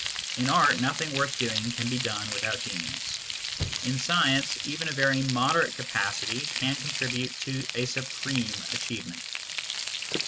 In art nothing worth doing can be done without genius ; in science even a very moderate capacity can contribute to a supreme achievement.